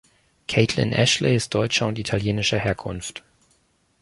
Kaitlyn Ashley ist deutscher und italienischer Herkunft.